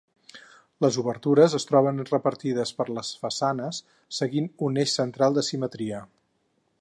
Les obertures es troben repartides per les façanes seguint un eix central de simetria.